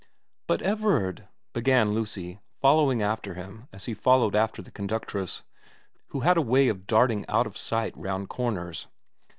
* But Everard * began Lucy, following after him as he followed after the conductress, who had a way of darting out of sight round corners.